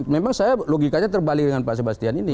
memang saya logikanya terbalik dengan pak sebastian ini